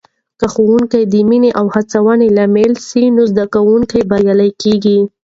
که ښوونکې د مینې او هڅونې لامل سي، نو زده کوونکي بریالي کېږي.